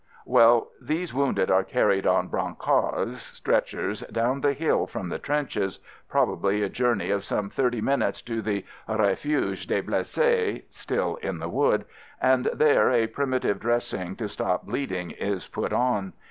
Well, these wounded are carried on brancards (stretchers) down the hill from the trenches — probably a journey of some thirty minutes to the "refuge des blesses" (still in the wood), and there a primitive dressing, to stop bleeding, is put on.